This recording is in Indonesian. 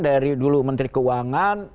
dari dulu menteri keuangan